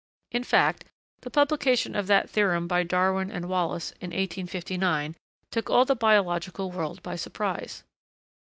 In fact, the publication of that theorem by Darwin and Wallace, in 1859, took all the biological world by surprise.